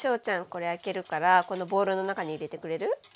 これ開けるからこのボウルの中に入れてくれる？